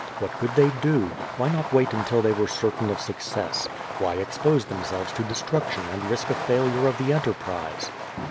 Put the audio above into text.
What could they do? Wh)^ not wait until they were certain of suc cess? Why expose themselves to destruction and risk a fail ure of the enterprise?